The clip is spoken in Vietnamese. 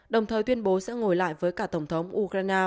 đồng thời tuyên bố sẽ ngồi lại với cả tổng thống ukraine